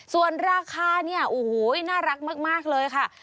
ส่วนราคาเนี่ยโอ้โหน่ารักมากเลยค่ะ